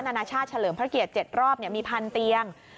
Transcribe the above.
นานาชาติเฉลิมพระเกียรติ๗รอบมี๑๐๐เตียง